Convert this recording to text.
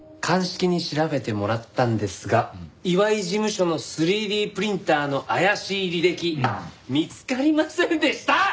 鑑識に調べてもらったんですが岩井事務所の３Ｄプリンターの怪しい履歴見つかりませんでした！